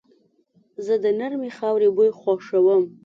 زه د نرمې خاورې بوی خوښوم.